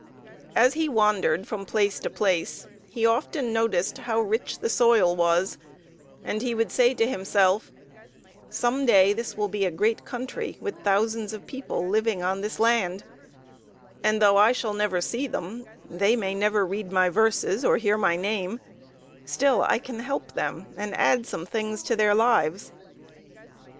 As he wandered from place to place he often noticed how rich the soil was, and he would say to himself, "Some day this will be a great country with thousands of people living on this land, and though I shall never see them, they may never read my verses or hear my name, still I can help them, and add some things to their lives."